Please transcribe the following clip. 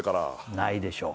ないでしょう。